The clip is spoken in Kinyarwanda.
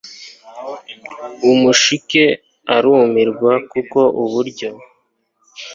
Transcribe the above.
umushike arumirwa kuko uburyo